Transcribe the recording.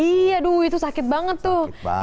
iya aduh itu sakit banget tuh